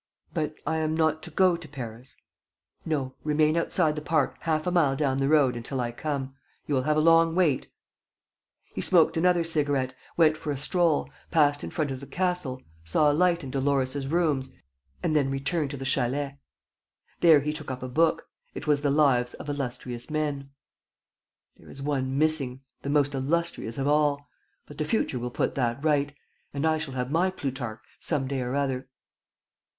"But I am not to go to Paris. ..." "No, remain outside the park, half a mile down the road, until I come. You will have a long wait." He smoked another cigarette, went for a stroll, passed in front of the castle, saw a light in Dolores' rooms and then returned to the chalet. There he took up a book. It was The Lives of Illustrious Men. "There is one missing: the most illustrious of all. But the future will put that right; and I shall have my Plutarch some day or other."